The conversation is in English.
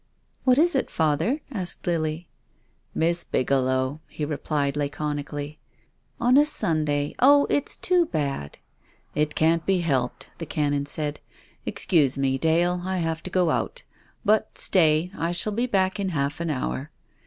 " What is it, father ?" asked Lily, " Miss Bigelow," he replied laconically. " On a Sunday. Oh, it's too bad !"" It can't be helped," the Canon said. " Ex cuse me, Dale, I have to go out. But — stay — I shall be back in half an hour."